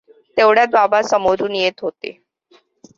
तेवढ्यात बाबा समोरून येत होते.